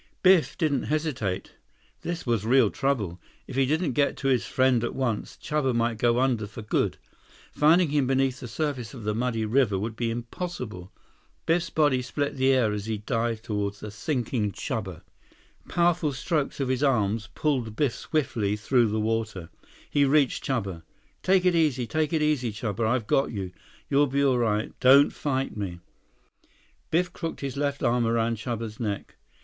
Biff didn't hesitate. This was real trouble. If he didn't get to his friend at once, Chuba might go under for good. Finding him beneath the surface of the muddy river would be impossible. Biff's body split the air as he dived toward the sinking Chuba. Powerful strokes of his arms pulled Biff swiftly through the water. He reached Chuba. "Take it easy. Take it easy, Chuba. I've got you. You'll be all right. Don't fight me." Biff crooked his left arm around Chuba's neck.